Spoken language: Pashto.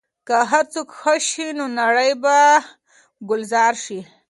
که هر څوک ښه شي، نو نړۍ به ګلزار شي.